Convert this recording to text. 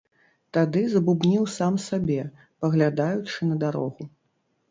Тады забубніў сам сабе, паглядаючы на дарогу.